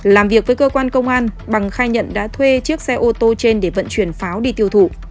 làm việc với cơ quan công an bằng khai nhận đã thuê chiếc xe ô tô trên để vận chuyển pháo đi tiêu thụ